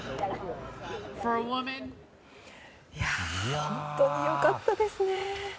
本当に良かったですね。